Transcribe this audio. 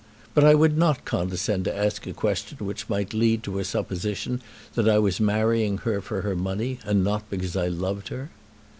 But I would not condescend to ask a question which might lead to a supposition that I was marrying her for her money and not because I loved her.